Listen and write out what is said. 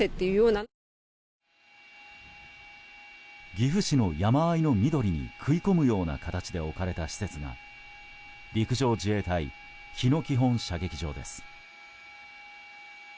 岐阜市の山あいの緑に食い込むような形で置かれた施設が陸上自衛隊日野基本射撃場です。